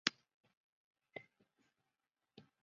父亲景之是守护六角氏的家臣。